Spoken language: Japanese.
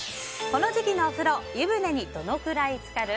この時期のお風呂湯船にどのくらいつかる？